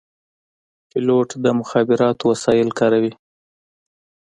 پیلوټ د مخابراتو وسایل کاروي.